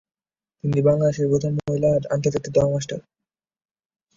তিনি বাংলাদেশের প্রথম মহিলা আন্তর্জাতিক দাবা মাস্টার।